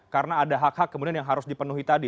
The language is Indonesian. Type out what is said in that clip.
karena ada hak hak kemudian yang harus dipenuhi tadi